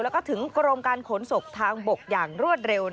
แล้วก็ถึงกรมการขนส่งทางบกอย่างรวดเร็ว